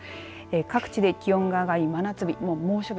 各地で気温が上がり真夏日猛暑日